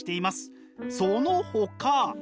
そのほか。